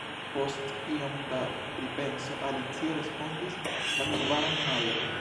Post iom da pripenso Alicio respondis: la kvaran Majo.